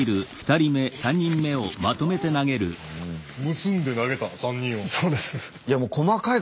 結んで投げた３人を。